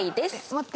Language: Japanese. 「持って」。